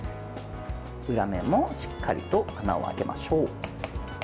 裏面もしっかりと穴を開けましょう。